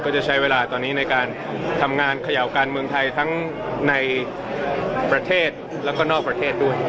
จะใช้เวลาตอนนี้ในการทำงานเขย่าการเมืองไทยทั้งในประเทศแล้วก็นอกประเทศด้วย